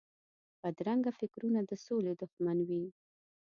بدرنګه فکرونه د سولې دښمن وي